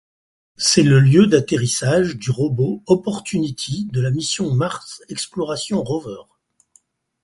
C'est le lieu d'atterrissage du robot Opportunity de la mission Mars Exploration Rover.